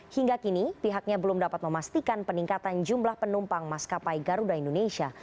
hingga kini pihaknya belum dapat memastikan peningkatan jumlah penumpang maskapai garuda indonesia